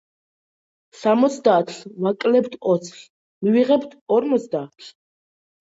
სამოცდაათს ვაკლებთ ოცს, მივიღებთ ორმოცდაათს.